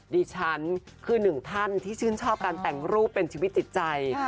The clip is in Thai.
ดิฉันคือหนึ่งท่านที่ชื่นชอบการแต่งรูปเป็นชีวิตจิตใจ